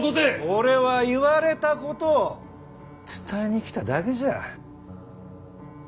俺は言われたことを伝えに来ただけじゃ。